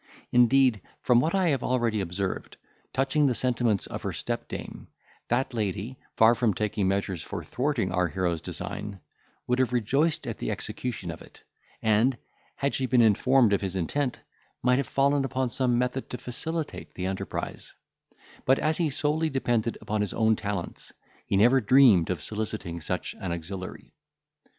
Indeed, from what I have already observed, touching the sentiments of her stepdame, that lady, far from taking measures for thwarting our hero's design, would have rejoiced at the execution of it, and, had she been informed of his intent, might have fallen upon some method to facilitate the enterprise; but, as he solely depended upon his own talents, he never dreamed of soliciting such an auxiliary.